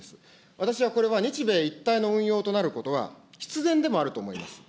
私はこれは日米一体の運用となることは、必然でもあると思います。